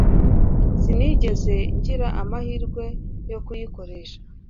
Sinigeze ngira amahirwe yo kuyikoresha